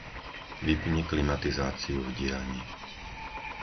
Vypni klimatizáciu v dielni.